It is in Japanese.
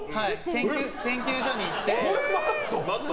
研究所に行って。